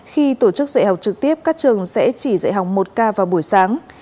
khi tổ chức dạy học trực tiếp các trường sẽ chỉ dạy học một k vào buổi sáng